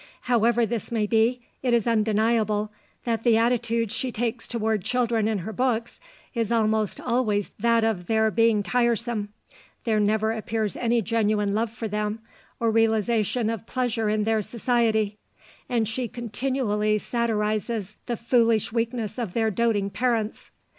However this may be, it is undeniable that the attitude she takes toward children in her books is almost always that of their being tiresome, there never appears any genuine love for them or realisation of pleasure in their society; and she continually satirises the foolish weakness of their doting parents.